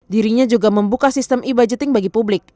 dirinya juga membuka sistem e budgeting bagi publik